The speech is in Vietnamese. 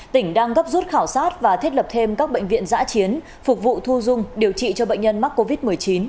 tỉnh đang gấp rút khảo sát và thiết lập thêm các bệnh viện giã chiến phục vụ thu dung điều trị cho bệnh nhân mắc covid một mươi chín